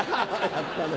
やったね。